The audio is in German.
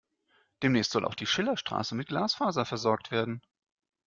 Demnächst soll auch die Schillerstraße mit Glasfaser versorgt werden.